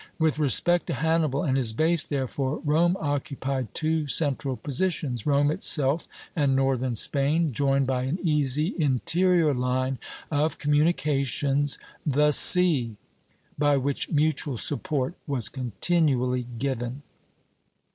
With respect to Hannibal and his base, therefore, Rome occupied two central positions, Rome itself and northern Spain, joined by an easy interior line of communications, the sea; by which mutual support was continually given.